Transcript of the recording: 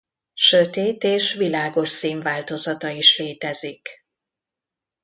Sötét és világos színváltozata is létezik.